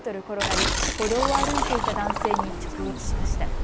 転がり歩道を歩いていた男性に直撃しました。